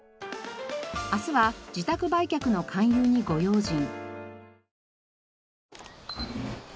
明日は自宅売却の勧誘にご用心！